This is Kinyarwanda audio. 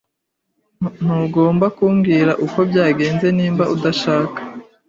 Ntugomba kumbwira uko byagenze niba udashaka.